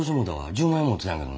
１０万円持ってたんやけどな。